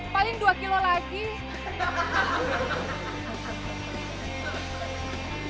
bahwa kamu talan sama siop